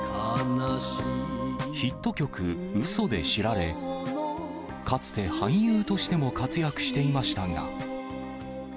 ヒット曲、うそで知られ、かつて俳優としても活躍していましたが。